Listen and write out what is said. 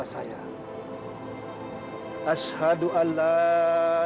lee sebadan mengasingkan bawahan negara berumur dua puluh enam tahun